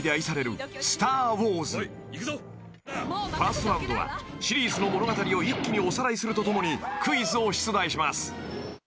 ［ファーストラウンドはシリーズの物語を一気におさらいするとともにクイズを出題します］